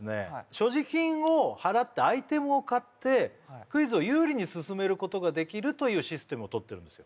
所持金を払ってアイテムを買ってクイズを有利に進めることができるというシステムをとってるんですよ